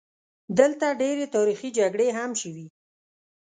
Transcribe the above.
دلته ډېرې تاریخي جګړې هم شوي.